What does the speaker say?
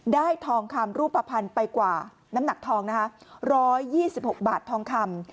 ได้ทองคำรูปภัณฑ์ไปกว่าน้ำหนักทองนะคะร้อยยี่สิบหกบาททองคำ